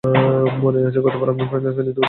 মনে আছে, গতবার আমার ফ্যানিতে উঠতে চেয়েছিলে?